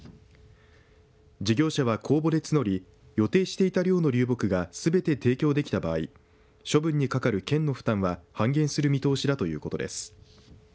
事業者は公募で募り予定していた量の流木がすべて提供できた場合処分にかかる県の負担は半減する見通しだということです。